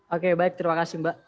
oke baik terima kasih mbak